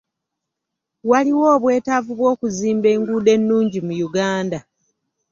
Waliwo obwetaavu bw'okuzimba enguudo ennungi mu Uganda.